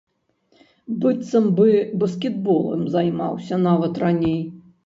Быццам бы баскетболам займаўся нават раней.